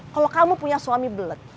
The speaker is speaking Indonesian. kalo kamu punya suami belet